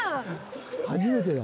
初めてだ。